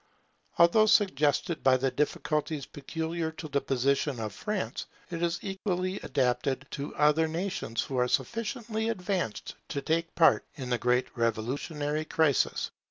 Although suggested by the difficulties peculiar to the position of France, it is equally adapted to other nations who are sufficiently advanced to take part in the great revolutionary crisis.